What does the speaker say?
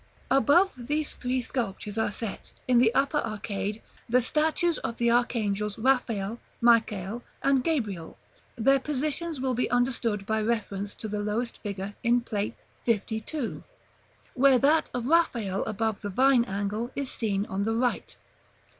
§ XLII. Above these three sculptures are set, in the upper arcade, the statues of the archangels Raphael, Michael, and Gabriel: their positions will be understood by reference to the lowest figure in Plate XVII., where that of Raphael above the Vine angle is seen on the right.